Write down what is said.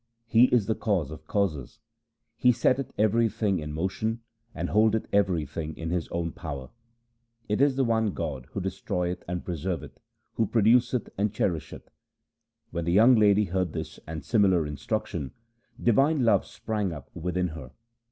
He is the Cause of causes. He setteth everything in motion, and hold eth everything in His own power. It is the one God who destroyeth and preserveth, who produceth and cherisheth.' When the young lady heard this and similar instruction, divine love sprang up within her.